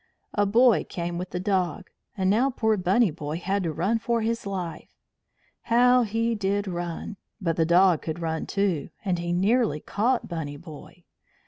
A boy came with the dog, and now poor Bunny Boy had to run for his life. How he did run! But the dog could run too, and he nearly caught Bunny Boy.